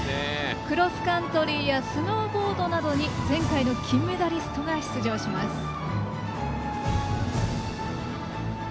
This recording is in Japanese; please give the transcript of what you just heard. クロスカントリーやスノーボードなどに前回の金メダリストが出場します。